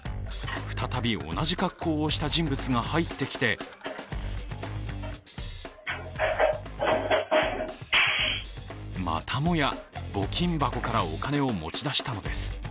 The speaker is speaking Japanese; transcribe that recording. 再び同じ格好をした人物が入ってきてまたもや募金箱からお金を持ち出したのです。